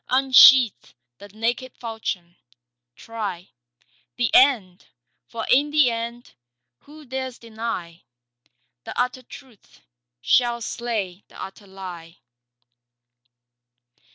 Unsheath the naked falchion. Try The end. For in the end, who dares deny, The utter truth shall slay the utter lie.